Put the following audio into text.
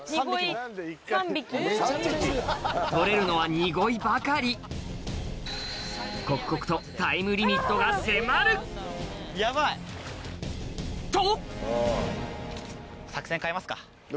捕れるのはニゴイばかり刻々とタイムリミットが迫るヤバい！と！